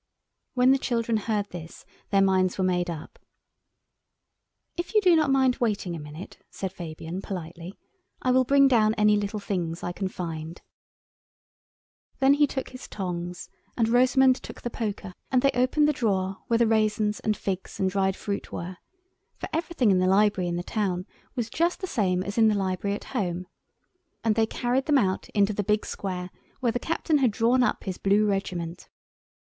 When the children heard this their minds were made up. "If you do not mind waiting a minute," said Fabian, politely, "I will bring down any little things I can find." Then he took his tongs, and Rosamund took the poker, and they opened the drawer where the raisins and figs and dried fruits were—for everything in the library in the town was just the same as in the library at home—and they carried them out into the big square where the Captain had drawn up his blue regiment.